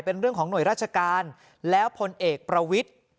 เป็นเรื่องของหน่วยราชการแล้วพลเอกประวิทธิ์